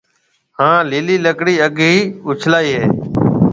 ھان لِيلِي لڪڙِي آگھيَََ اُڇلائيَ ھيََََ